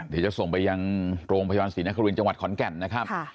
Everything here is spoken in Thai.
เดี๋ยวจะส่งไปยังโรงพยาบาลศรีนครินทร์จังหวัดขอนแก่นนะครับ